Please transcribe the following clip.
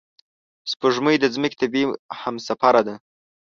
سپوږمۍ د ځمکې طبیعي همسفره ده